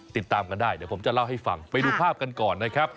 ติดตามกันได้เดี๋ยวผมจะเล่าให้ฟังไปดูภาพกันก่อนนะครับ